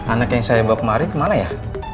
anak yang saya bawa kemari kemana ya